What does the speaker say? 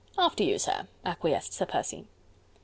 "After you, sir," acquiesced Sir Percy.